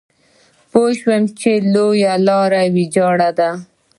پوه شوم چې لویه لار ويجاړه ده.